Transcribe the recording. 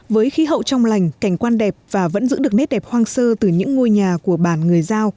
với khí hậu trong lành cảnh quan đẹp và vẫn giữ được nét đẹp hoang sơ từ những ngôi nhà của bản người giao